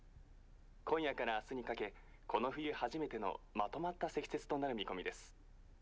今夜から明日にかけこの冬初めてのまとまった積雪となる見込みです。